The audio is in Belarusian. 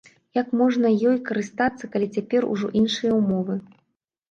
Як можна ёй карыстацца, калі цяпер ужо іншыя ўмовы?